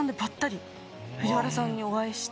藤原さんにお会いして。